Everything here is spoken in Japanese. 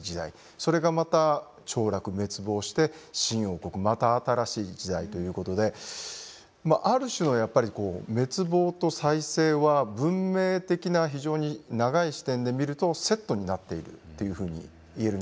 それがまた凋落滅亡して新王国また新しい時代ということである種のやっぱりこう滅亡と再生は文明的な非常に長い視点で見るとセットになっているというふうに言えるんじゃないかなと思います。